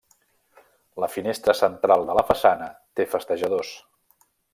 La finestra central de la façana té festejadors.